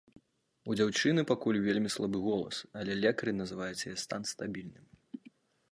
У дзяўчыны пакуль вельмі слабы голас, але лекары называюць яе стан стабільным.